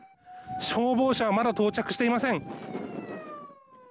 消防車はまだ到着していません。